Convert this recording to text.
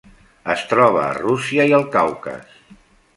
Es troba a Rússia i el Caucas.